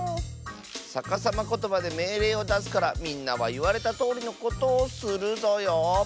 さかさまことばでめいれいをだすからみんなはいわれたとおりのことをするぞよ！